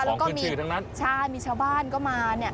ของคืนชื่อทั้งนั้นใช่มีชาวบ้านก็มาเนี่ย